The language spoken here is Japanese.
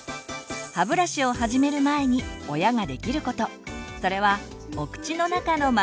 歯ブラシを始める前に親ができることそれはお口の中のマッサージ。